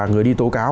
người đi tố cáo